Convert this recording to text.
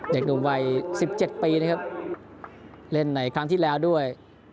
เด็กหนุ่มวัย๑๗ปีนะครับเล่นในครั้งที่แล้วด้วย